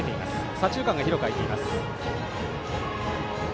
左中間が広く空いています。